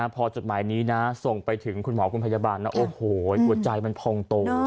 พอจดหมายนี้นะส่งไปถึงคุณหมอคุณพยาบาลนะโอ้โหหัวใจมันพองโต